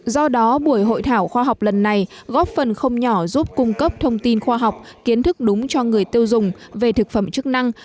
do đó buổi hội thảo khoa học lần này góp phần không nhỏ giúp cung cấp thông tin khoa học kiến thức đúng cho người tiêu dùng về thực phẩm chức năng